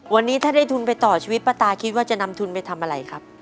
วันนี้ถ้าได้ทุนไปต่อชีวิตป้าตาคิดว่าจะนำทุนไปทำอะไรครับ